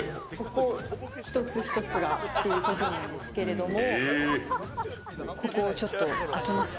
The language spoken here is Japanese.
ここ一つ一つがということなんですけれども。